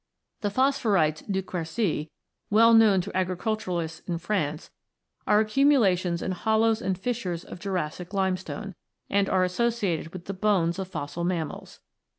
The "phosphorites du Quercy," well known to agriculturists in France, are accumulations in hollows and fissures of Jurassic limestone, and are associated with the bones of fossil mammals.